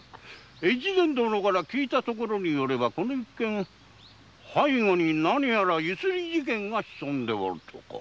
越前殿に聞いたところではこの一件背後に何やら強請事件が潜んでおるとか。